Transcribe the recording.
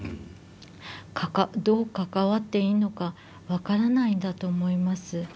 どう関わっていいのか分からないんだと思います。